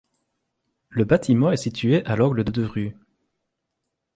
Le bâtiment est situé à l'angle de deux rues.